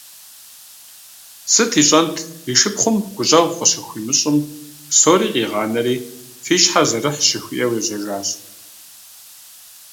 Сыт ищӀэнт, и шыпхъум гущӀэгъу къыщыхуимыщӀым, псори къигъанэри, фи щхьэр зэрыхьщ жыхуиӀэу, ежьэжащ.